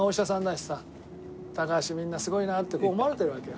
高橋みんなにすごいなあってこう思われてるわけよ。